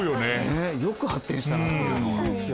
よく発展したなっていうのは。